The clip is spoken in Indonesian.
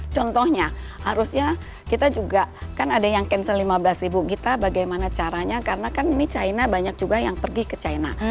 contohnya harusnya kita juga kan ada yang cancel lima belas ribu kita bagaimana caranya karena kan ini china banyak juga yang pergi ke china